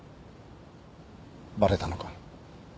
バレたのか？